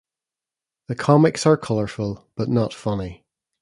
The comics are colorful but not funny.